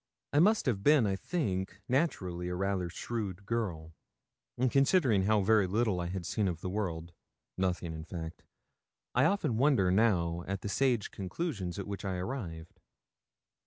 I must have been, I think, naturally a rather shrewd girl; and considering how very little I had seen of the world nothing in fact I often wonder now at the sage conclusions at which I arrived.